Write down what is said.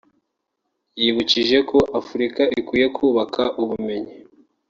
yibukije ko Afurika ikwiye kubaka ubumenyi